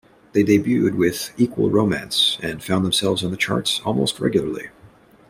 They debuted with "Equal Romance" and found themselves on the charts almost regularly.